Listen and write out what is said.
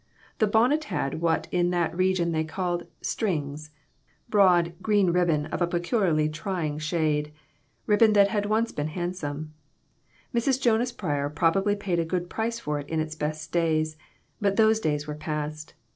The bonnet had what in that region they called "strings" broad, green ribbon of a pecul iarly trying shade ribbon which had once been handsome. Mrs. Jonas Pryor probably paid a good price for it in its best days, but those days were past.